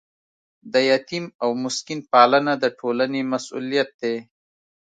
د یتیم او مسکین پالنه د ټولنې مسؤلیت دی.